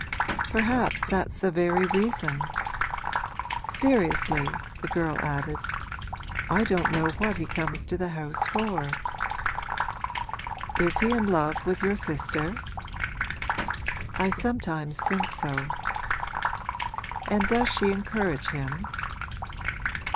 'Perhaps that's the very reason! Seriously,' the girl added, 'I don't know what he comes to the house for.' 'Is he in love with your sister?' 'I sometimes think so.' 'And does she encourage him?'